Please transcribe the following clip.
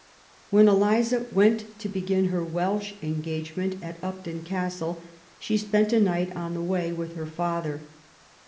When Eliza went to begin her Welsh engagement at Upton Castle, she spent a night on the way with her father.